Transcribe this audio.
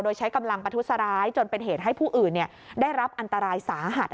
โดยใช้กำลังประทุษร้ายจนเป็นเหตุให้ผู้อื่นได้รับอันตรายสาหัส